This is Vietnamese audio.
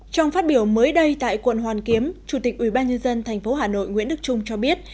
trong phát biểu mới đây tại quận hoàn kiếm chủ tịch ubnd tp hà nội nguyễn đức trung cho biết